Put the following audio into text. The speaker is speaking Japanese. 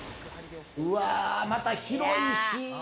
うわ、また広いし。